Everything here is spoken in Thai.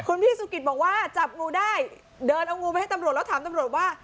คุณพี่สุกิตบอกว่าจับงูได้เดินเอางูไปให้ตำรวจแล้วถามตำรวจว่า